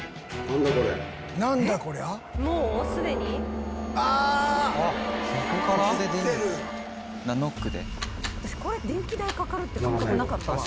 私これ電気代かかるって感覚なかったわ。